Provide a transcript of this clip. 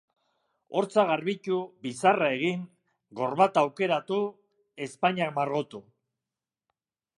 Hortzak garbitu, bizarra egin, gorbata aukeratu, ezpainak margotu.